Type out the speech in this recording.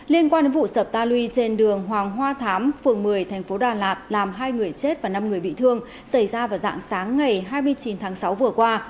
liên quan đến vụ sập ta lui trên đường hoàng hoa thám phường một mươi thành phố đà lạt làm hai người chết và năm người bị thương xảy ra vào dạng sáng ngày hai mươi chín tháng sáu vừa qua